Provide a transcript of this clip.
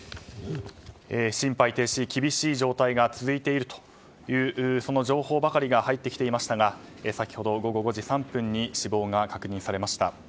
心肺停止、厳しい状態が続いているという情報ばかりが入ってきていましたが先ほど午後５時３分に死亡が確認されました。